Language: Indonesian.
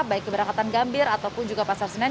baik keberangkatan gambir ataupun juga pasar senen